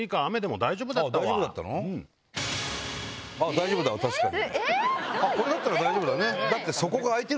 大丈夫だ確かに。